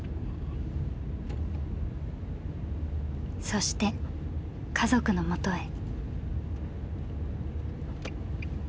そして家族のもとへ。